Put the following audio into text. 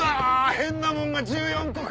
変なもんが１４個か！